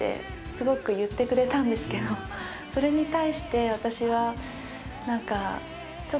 それに対して私は。